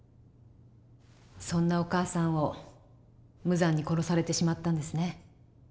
そんなお母さんを無残に殺されてしまったんですね。